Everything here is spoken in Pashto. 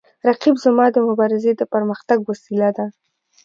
رقیب زما د مبارزې د پرمختګ وسیله ده